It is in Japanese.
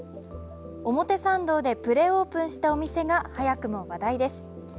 表参道でプレオープンしたお店が早くも話題です。